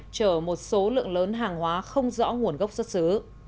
chở một số lượng lớn hàng hóa không rõ nguồn gốc xuất xứ